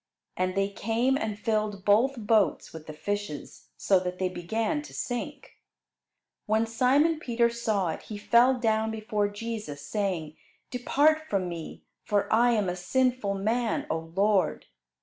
And they came and filled both boats with the fishes, so that they began to sink. When Simon Peter saw it he fell down before Jesus, saying, "Depart from me, for I am a sinful man, O Lord."